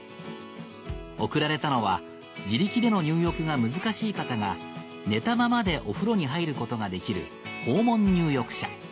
贈られたのは自力での入浴が難しい方が寝たままでお風呂に入ることができる